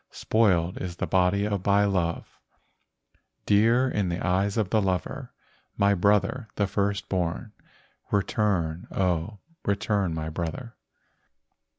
Spoiled is the body by love, Dear in the eyes of the lover. My brother, the first born, Return, oh, return, my brother."